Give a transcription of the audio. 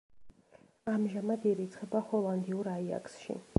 ამჟამად ირიცხება ჰოლანდიურ აიაქსში.